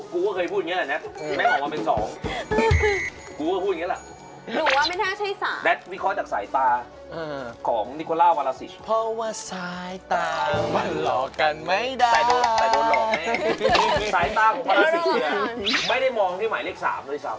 กูก็เคยพูดอย่างเงี้ยแน็ตน์ที่แม่งผมว่าเป็น๒